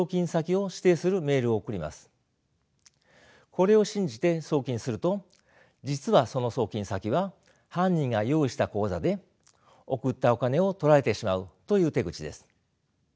これを信じて送金すると実はその送金先は犯人が用意した口座で送ったお金をとられてしまうという手口です。